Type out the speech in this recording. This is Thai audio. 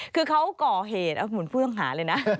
คือเขาก่อเหตุเอ้าหมุนเฟื้องหาเลยนะ